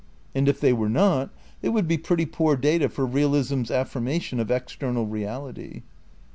And if they were not they would be pretty poor data for realism's aflSrmation of external reality.